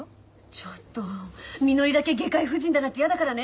ちょっとみのりだけ外科医夫人だなんてやだからね。